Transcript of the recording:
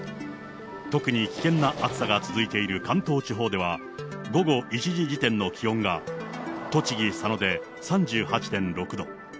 特に危険な暑さが続いている関東地方では、午後１時時点の気温が栃木・佐野で３８．６度。